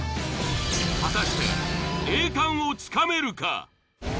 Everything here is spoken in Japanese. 果たして栄冠をつかめるか。